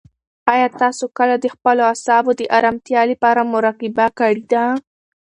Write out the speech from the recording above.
آیا تاسو کله د خپلو اعصابو د ارامتیا لپاره مراقبه کړې ده؟